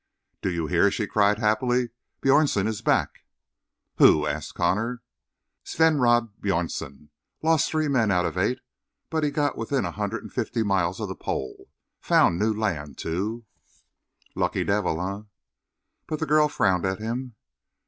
"Do you hear?" she cried happily. "Bjornsen is back!" "Who?" asked Connor. "Sveynrod Bjornsen. Lost three men out of eight, but he got within a hundred and fifty miles of the pole. Found new land, too." "Lucky devil, eh?" But the girl frowned at him.